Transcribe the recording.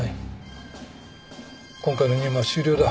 今回の任務は終了だ。